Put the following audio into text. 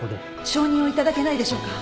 承認を頂けないでしょうか？